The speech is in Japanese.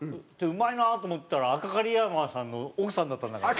うまいなと思ったら赤狩山さんの奥さんだったんだから。